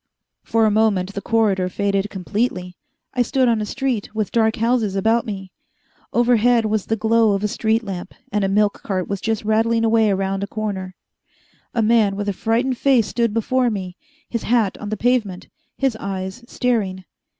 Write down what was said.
For a moment the corridor faded completely. I stood on a street with dark houses about me. Overhead was the glow of a street lamp, and a milk cart was just rattling away around a corner. A man with a frightened face stood before me, his hat on the pavement, his eyes staring.